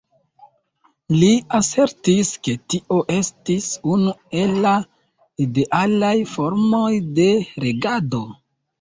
Li asertis, ke tio estis unu el la idealaj formoj de regado.